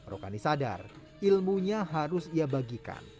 rokani sadar ilmunya harus ia bagikan